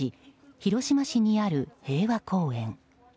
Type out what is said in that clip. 広島市にある平和公園。